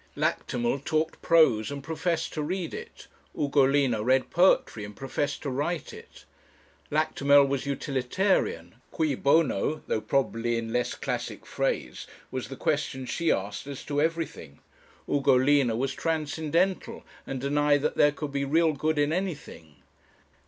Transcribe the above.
Lactimel talked prose and professed to read it; Ugolina read poetry and professed to write it. Lactimel was utilitarian. Cui bono? though probably in less classic phrase was the question she asked as to everything. Ugolina was transcendental, and denied that there could be real good in anything.